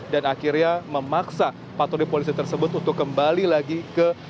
dan akhirnya memaksa patroli polisi tersebut untuk kembali lagi ke